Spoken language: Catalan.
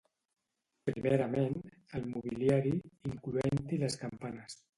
Primerament, el mobiliari, incloent-hi les campanes.